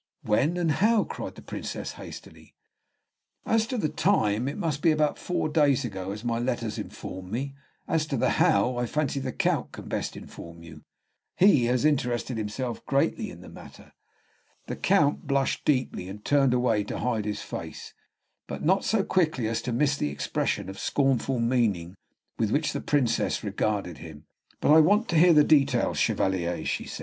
"When, and how?" cried the Princess, hastily. "As to the time, it must be about four days ago, as my letters inform me; as to the how, I fancy the Count can best inform you, he has interested himself greatly in the matter." The Count blushed deeply, and turned away to hide his face, but not so quickly as to miss the expression of scornful meaning with which the Princess regarded him. "But I want to hear the details, Chevalier," said she.